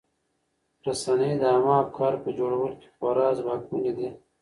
رسنۍ د عامه افکارو په جوړولو کې خورا ځواکمنې دي.